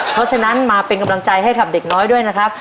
เพราะฉะนั้นมาเป็นกำลังใจให้กับเด็กน้อยด้วยนะครับ